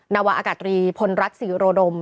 นาวะอากาศตรีพลรัฐศรีโรดม